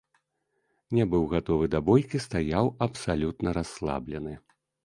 Не быў гатовы да бойкі, стаяў абсалютна расслаблены.